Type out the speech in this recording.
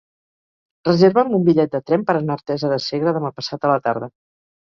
Reserva'm un bitllet de tren per anar a Artesa de Segre demà passat a la tarda.